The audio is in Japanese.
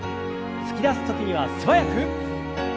突き出す時には素早く。